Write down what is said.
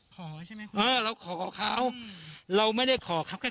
ขอใช่ไหมคุณเออเราขอเขาเราไม่ได้ขอเขาแค่